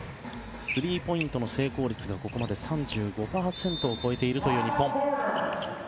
スリーポイントの成功率がここまで３５％を超えているという日本。